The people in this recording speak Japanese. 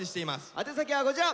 宛先はこちら！